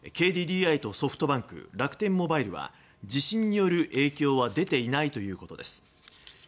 ＫＤＤＩとソフトバンク楽天モバイルは地震による影響は出ていないということです。